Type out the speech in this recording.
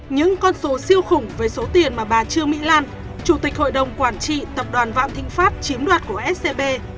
những con số siêu khủng với số tiền mà bà trương mỹ lan chủ tịch hội đồng quản trị tập đoàn vạn thịnh pháp chiếm đoạt của scb